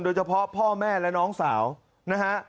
โดยเฉพาะพ่อแม่และน้องสาวนะฮะ